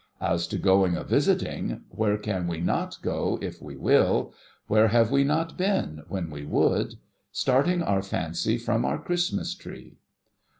As to going a visiting, where can we not go, if we will ; where have we not been, when we would ; starting our fancy from our Christmas Tree